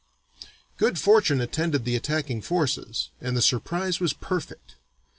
Good fortune attended the attacking forces, and the surprise was perfect.